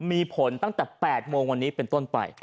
มีผลตั้งแต่๘โมงวันนี้เป็นต้นไป